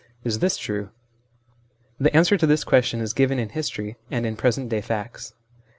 Is this true ? The answer to this question is given in history and in present day facts.